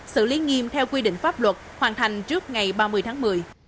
xử lý nghiêm theo quy định pháp luật hoàn thành trước ngày ba mươi tháng một mươi